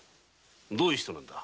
どういう人なんだ？